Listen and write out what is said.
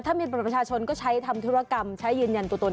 ถ้ามีบัตรประชาชนก็ใช้ทำธุรกรรมใช้ยืนยันตัวตน